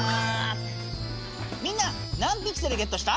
みんな何ピクセルゲットした？